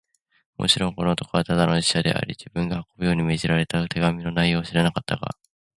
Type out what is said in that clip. もちろん、この男はただの使者であり、自分が運ぶように命じられた手紙の内容を知らなかったが、